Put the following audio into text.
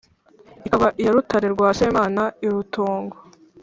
Ikaba iya Rutare rwa semana i Rutongo!